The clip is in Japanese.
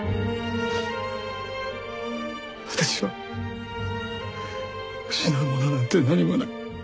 あたしは失うものなんて何もない。